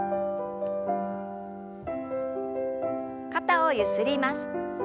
肩をゆすります。